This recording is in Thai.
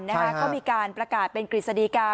ก็มีการประกาศเป็นกฤษฎีกา